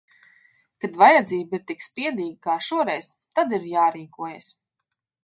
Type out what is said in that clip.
Kad vajadzība ir tik spiedīga, kā šoreiz, tad ir jārīkojas.